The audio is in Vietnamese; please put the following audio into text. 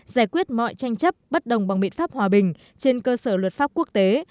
giải quyết mọi tranh chấp bất đồng bằng biện pháp hòa bình trên cơ sở luật pháp quốc tế